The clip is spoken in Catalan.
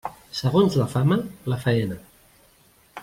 Segons la fama, la faena.